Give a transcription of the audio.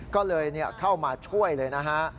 ก็เลยเข้ามาช่วยเลยนะฮะ